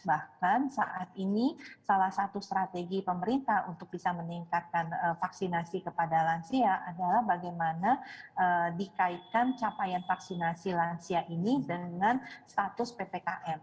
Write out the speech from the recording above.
bahkan saat ini salah satu strategi pemerintah untuk bisa meningkatkan vaksinasi kepada lansia adalah bagaimana dikaitkan capaian vaksinasi lansia ini dengan status ppkm